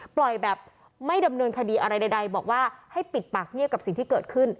ปล่อยแบบไม่ดำเนินคดีอะไรใดบอกว่าให้ปิดปากเงียบกับสิ่งที่เกิดขึ้น